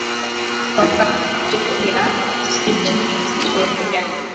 Kwa kazi zote pia, sitimizi sheria